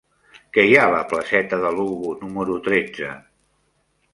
Què hi ha a la placeta de Lugo número tretze?